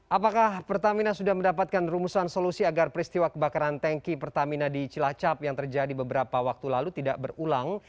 apakah pertamina sudah mendapatkan rumusan solusi agar peristiwa kebakaran tanki pertamina di cilacap yang terjadi beberapa waktu lalu tidak berulang